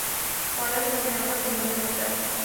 خوړل له نعمته مننه ده